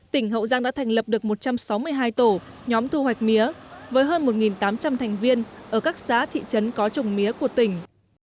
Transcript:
tỉnh hậu giang đã thành lập được một trăm sáu mươi hai tổ nhóm thu hoạch mía với hơn một tám trăm linh thành viên ở các xã thị trấn có trồng mía của tỉnh